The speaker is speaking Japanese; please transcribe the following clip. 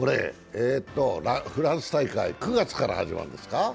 フランス大会、９月から始まるんですか。